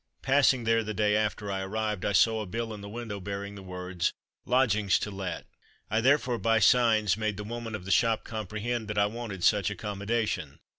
Passing there the day after I arrived, I saw a bill in the window bearing the words "lodgings to let." I, therefore, by signs made the woman of the shop comprehend that I wanted such accommodation.